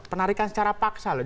penarikan secara paksa loh